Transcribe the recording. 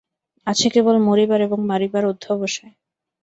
আছে কেবল মরিবার এবং মারিবার অধ্যবসায়।